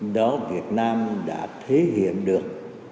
đó việt nam đã thể hiện được